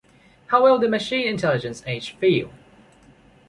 How will the machine intelligence age feel?